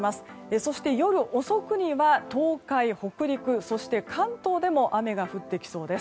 そして夜遅くには東海・北陸そして関東でも雨が降ってきそうです。